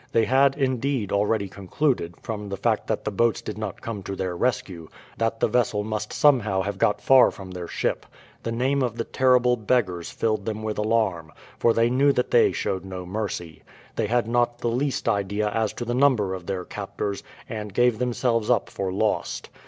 They had, indeed, already concluded, from the fact that the boats did not come to their rescue, that the vessel must somehow have got far from their ship. The name of the terrible beggars filled them with alarm, for they knew that they showed no mercy. They had not the least idea as to the number of their captors, and gave themselves up for lost.